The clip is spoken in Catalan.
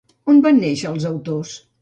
On van néixer els autors?